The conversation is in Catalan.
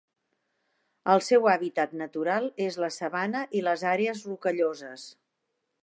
El seu hàbitat natural és la sabana i les àrees rocalloses.